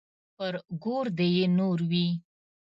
پر ګور دې يې نور وي.